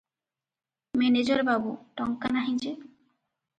Manager ବାବୁ, "ଟଙ୍କା ନାହିଁ ଯେ ।"